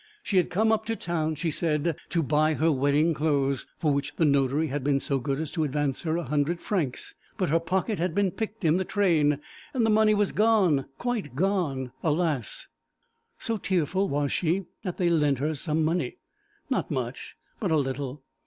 She had come up to town, she said, to buy her wedding clothes, for which the notary had been so good as to advance her a hundred francs, but her pocket had been picked in the train. The money was gone quite gone alas! So tearful was she that they lent her some money not much, but a little.